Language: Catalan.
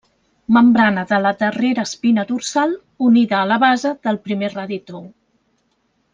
Membrana de la darrera espina dorsal unida a la base del primer radi tou.